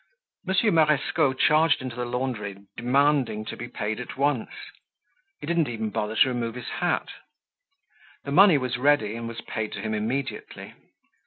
Monsieur Marescot charged into the laundry demanding to be paid at once. He didn't even bother to remove his hat. The money was ready and was paid to him immediately.